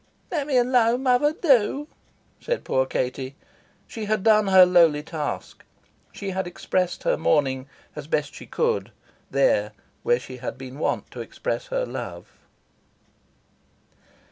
"Let me alone, mother, do," said poor Katie. She had done her lowly task. She had expressed her mourning, as best she could, there where she had been wont to express her love.